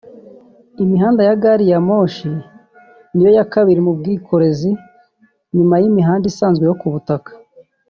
Imihanda ya gari ya moshi ni yo ya kabiri mu bwikorezi nyuma y’imihanda isanzwe yo kubutaka